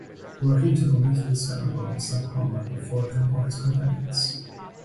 Were he to omit the ceremony, some harm might befall him or his companions.